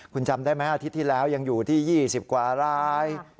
คุณจำได้ไหมอาทิตย์ที่แล้วยังอยู่ที่๒๐กว่าราย